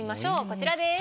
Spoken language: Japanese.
こちらです。